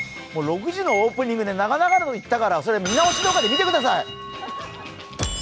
６時のオープニングで長々と言ったからそれ、見逃し動画で見てください。